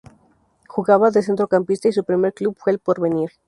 Jugaba de centrocampista y su primer club fue El Porvenir.